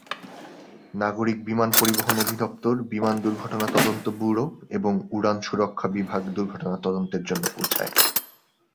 নাগরিক বিমান পরিবহন অধিদফতর, বিমান দুর্ঘটনা তদন্ত ব্যুরো এবং উড়ান সুরক্ষা বিভাগ দুর্ঘটনার তদন্তের জন্য পৌঁছায়।